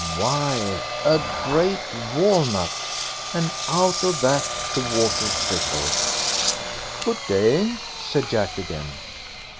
Why, a great walnut, and out of that the water trickled. "Good day!" said Jack again.